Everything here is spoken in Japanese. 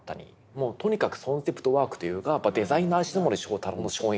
もうとにかくコンセプトワークというかデザイナー石森章太郎の衝撃ですよね。